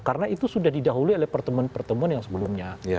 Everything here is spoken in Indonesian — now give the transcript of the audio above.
karena itu sudah didahului oleh pertemuan pertemuan yang sebelumnya